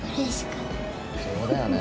そうだよね。